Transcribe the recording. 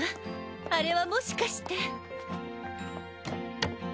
あれはもしかして。